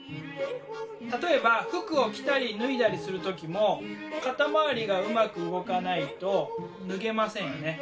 例えば服を着たり脱いだりする時も肩回りがうまく動かないと脱げませんよね。